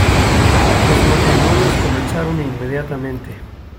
Los matrimonios comenzaron inmediatamente.